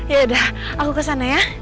yaudah aku kesana ya